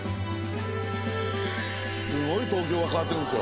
「すごい東京が変わっていくんですよ」